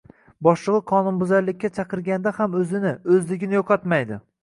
boshlig‘i qonunbuzarlikka chaqirganda ham o‘zini, o‘zligini yo‘qotmaydi.